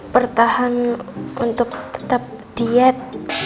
pertahan untuk tetap diet